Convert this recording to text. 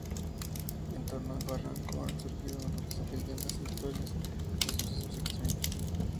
En torno al barranco han surgido numerosas leyendas e historias de sucesos extraños.